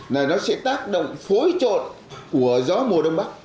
này nó sẽ tác động phối trộn của gió mùa đông bắc